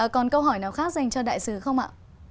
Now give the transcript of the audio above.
còn câu hỏi nào khác dành cho đại sứ không ạ